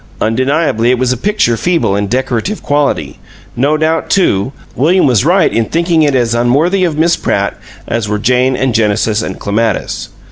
Undeniably, it was a picture feeble in decorative quality; no doubt, too, William was right in thinking it as unworthy of Miss Pratt, as were Jane and Genesis and Clematis.